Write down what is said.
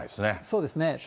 そうですね。